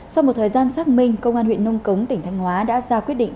sau một thời gian xác minh công an huyện nông cống tỉnh thanh hóa đã ra quyết định